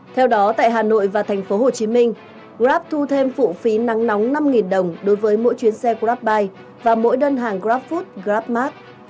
theo đó tại hà nội và thành phố hồ chí minh grab thu thêm phụ phí nắng nóng năm đồng đối với mỗi chuyến xe grabbike và mỗi đơn hàng grabfood grabmart